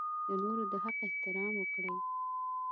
د نورو د حق احترام وکړئ.